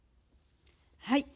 はい。